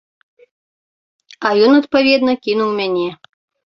А ён, адпаведна, кінуў мяне.